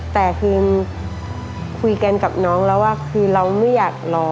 แต่คือคุยกันกับน้องแล้วว่าคือเราไม่อยากรอ